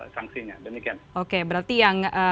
sangsinya dan ikan oke berarti yang